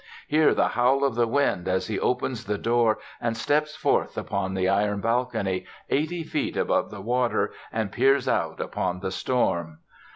Hear the howl of the wind as he opens the door and steps forth upon the iron balcony, eighty feet above the water, and peers out upon the storm.